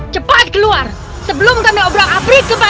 cepat keluar sebelum kita mengumumkan afrik untuk mereka